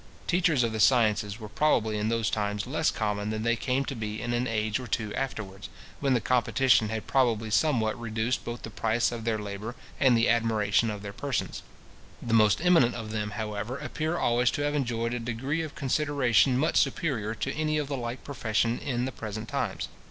Teachers of the sciences were probably in those times less common than they came to be in an age or two afterwards, when the competition had probably somewhat reduced both the price of their labour and the admiration for their persons. The most eminent of them, however, appear always to have enjoyed a degree of consideration much superior to any of the like profession in the present times.